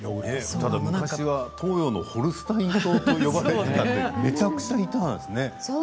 昔は東洋のホルスタイン島と呼ばれていてめちゃくちゃいたんですね。